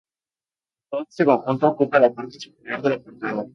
Todo este conjunto ocupa la parte superior de la portada.